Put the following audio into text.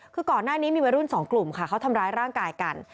คือก่อนหน้านี้มีวัยรุ่นสองกลุ่มค่ะเขาทำร้ายร่างกายกัน